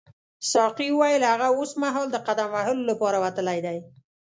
ساقي وویل هغه اوسمهال د قدم وهلو لپاره وتلی دی.